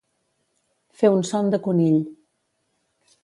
Fer un son de conill.